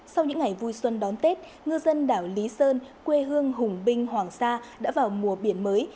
sau những ngày vui xuân đón tết ngư dân đảo lý sơn quê hương hùng binh hoàng sa đã vào mùa biển mới